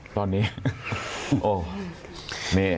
ตอนนี้